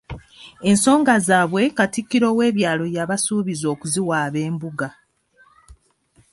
Ensonga zaabwe Katikkiro w'ebyalo yabasuubizza okuziwaaba Embuga.